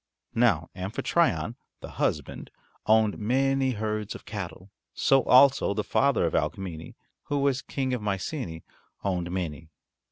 Now Amphitryon, the husband, owned many herds of cattle. So also the father of Alcmene, who was King of Mycenae, owned many.